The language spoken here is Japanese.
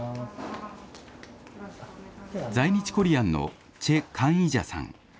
在日コリアンのチェ・カンイヂャさん。